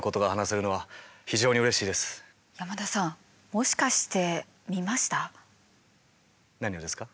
もしかして見ました？何をですか？